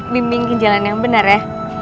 bimbing ke jalan yang bener ya